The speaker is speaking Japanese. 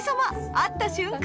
会った瞬間